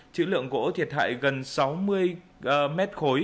chữ lượng gỗ thiệt hại gần sáu mươi m ba